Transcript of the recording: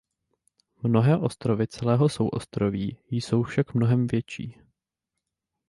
Mnohé ostrovy celého souostroví jsou však mnohem větší.